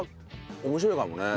面白いかもね。